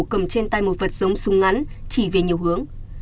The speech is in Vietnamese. cầm trên tay một vật giống súng ngắn chỉ về nhiều hướng